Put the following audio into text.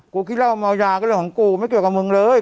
ขี้เหล้าเมายาก็เรื่องของกูไม่เกี่ยวกับมึงเลย